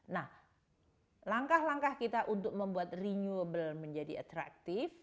nah langkah langkah kita untuk membuat renewable menjadi atraktif